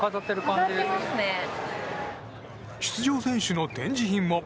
出場選手の展示品も。